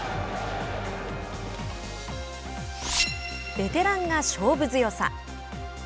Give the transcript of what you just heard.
ベテランが勝負強さ。